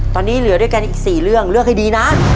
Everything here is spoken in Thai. ตอนนี้เหลือด้วยกันอีก๔เรื่องเลือกให้ดีนะ